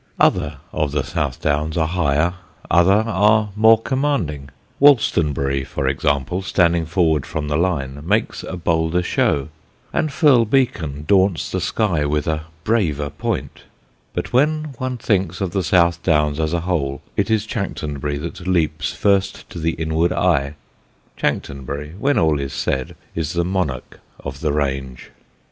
Other of the South Downs are higher, other are more commanding: Wolstonbury, for example, standing forward from the line, makes a bolder show, and Firle Beacon daunts the sky with a braver point; but when one thinks of the South Downs as a whole it is Chanctonbury that leaps first to the inward eye. Chanctonbury, when all is said, is the monarch of the range.